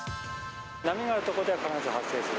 波がある所では必ず発生する。